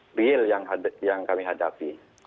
dan juga terhadap kondisi real yang kami hadapi